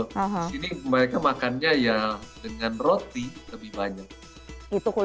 di sini mereka makannya ya dengan roti lebih banyak